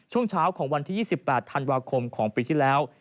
ช่วงเช้าของวันที่๒๘ธันวาคมของปีที่แล้ว